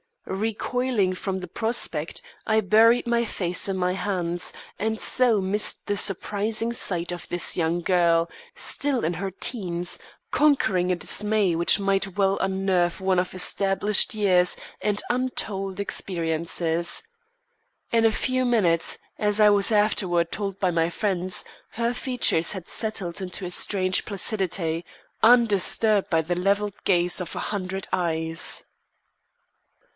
Recoiling from the prospect, I buried my face in my hands, and so missed the surprising sight of this young girl, still in her teens, conquering a dismay which might well unnerve one of established years and untold experiences. In a few minutes, as I was afterward told by my friends, her features had settled into a strange placidity, undisturbed by the levelled gaze of a hundred eyes.